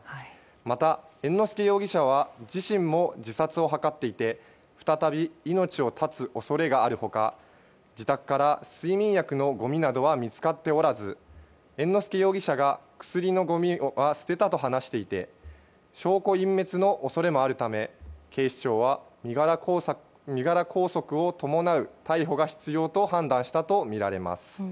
また、猿之助容疑者は自身も自殺を図っていて再び命を絶つ恐れがある他自宅から睡眠薬のごみなどは見つかっておらず猿之助容疑者が薬のごみは捨てたと話していて証拠隠滅の恐れもあるため警視庁は身柄拘束を伴う逮捕が必要と判断したとみられます。